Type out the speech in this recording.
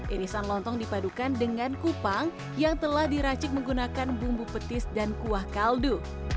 irisan lontong dipadukan dengan kupang yang telah diracik menggunakan bumbu petis dan kuah kaldu